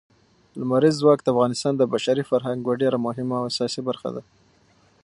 لمریز ځواک د افغانستان د بشري فرهنګ یوه ډېره مهمه او اساسي برخه ده.